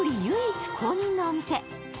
唯一公認のお店。